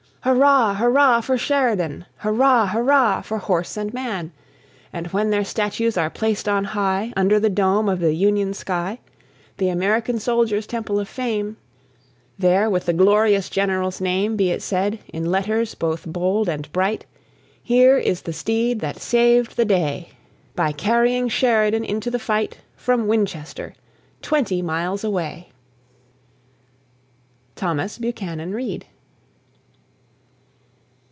Hurrah! hurrah for Sheridan! Hurrah! hurrah for horse and man! And when their statues are placed on high, Under the dome of the Union sky, The American soldiers' Temple of Fame, There with the glorious General's name Be it said, in letters both bold and bright: "Here is the steed that saved the day, By carrying Sheridan into the fight From Winchester, twenty miles away!" THOMAS BUCHANAN READ.